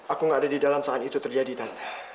aku gak ada di dalam saat itu terjadi tante